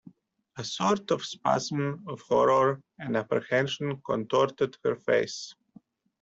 A sort of spasm of horror and apprehension contorted her face.